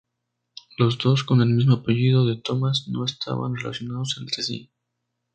Los dos con el mismo apellido de Thomas no estaban relacionados entre sí.